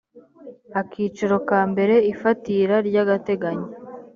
akiciro ka mbere ifatira ry agateganyo